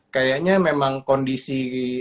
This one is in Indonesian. kayaknya memang kondisi